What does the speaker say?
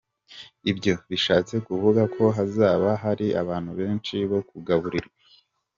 Ibyo bishatse kuvuga ko hazaba hari abantu benshi bo kugaburira.